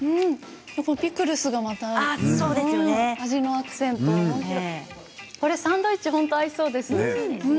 ピクルスが味のアクセントになってサンドイッチに合いそうです。